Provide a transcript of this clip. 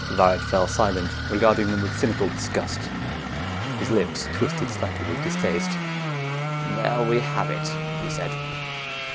Varret fell silent, regarding them with cynical disgust. His lips twisted slightly with distaste. "There we have it," he said.